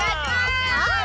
はい。